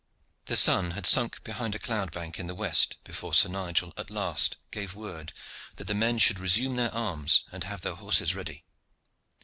The sun had sunk behind a cloud bank in the west before Sir Nigel at last gave word that the men should resume their arms and have their horses ready.